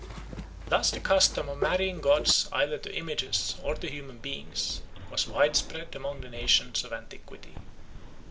Thus the custom of marrying gods either to images or to human beings was widespread among the nations of antiquity.